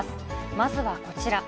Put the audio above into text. まずはこちら。